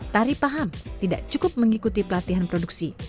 tari paham tidak cukup mengikuti pelatihan produksi